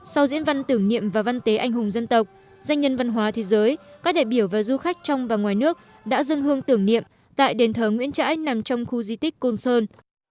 sau diễn văn tưởng niệm và văn tế anh hùng dân tộc danh nhân văn hóa thế giới các đại biểu và du khách trong và ngoài nước đã dâng hương tưởng niệm tại đền thờ nguyễn trãi nằm trong khu di tích côn sơn